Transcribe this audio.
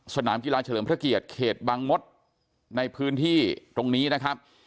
สนามกีฬาเฉลิมพระเกียรติเขตบังมดในพื้นที่ตรงนี้นะครับ